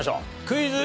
クイズ。